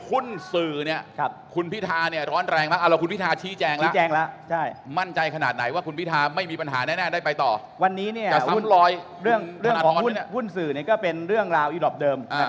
วันนี้เรามีเรื่องของคุณศือเนี่ยพี่ธาเนี่ยร้อนแรงมาก